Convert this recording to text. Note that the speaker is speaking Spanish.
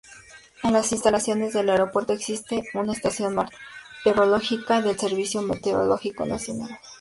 En las instalaciones del aeropuerto existe una estación meteorológica del Servicio Meteorológico Nacional.